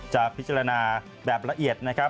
จะพิจารณาแบบละเอียด